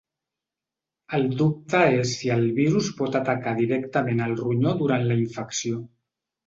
El dubte és si el virus pot atacar directament el ronyó durant la infecció.